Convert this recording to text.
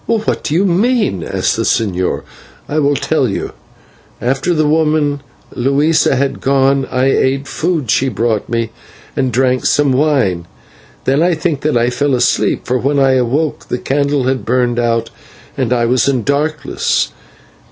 "What do you mean?" asked the señor. "I will tell you. After the woman Luisa had gone I ate the food she brought me and drank some wine. Then I think that I fell asleep, for when I awoke the candle had burned out and I was in darkness.